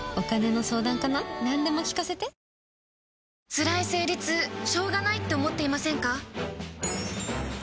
つらい生理痛しょうがないって思っていませんか？